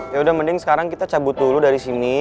yaudah mending sekarang kita cabut dulu dari sini